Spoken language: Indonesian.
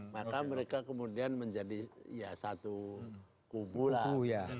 maka mereka kemudian menjadi ya satu kubu lah